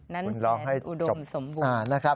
นั้นแสนอุดมสมบูรณ์